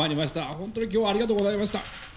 本当にきょうはありがとうございました。